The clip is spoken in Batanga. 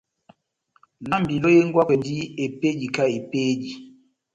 Lambi lohengwakwɛndi epédi kahá epédi.